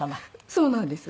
そうなんです。